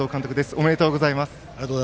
ありがとうございます。